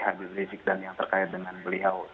hadir risik dan yang terkait dengan beliau